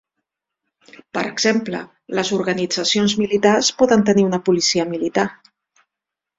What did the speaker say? Per exemple, les organitzacions militars poden tenir una policia militar.